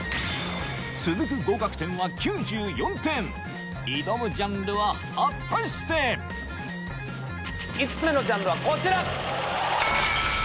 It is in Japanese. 続く合格点は９４点挑むジャンルは果たして５つ目のジャンルはこちら。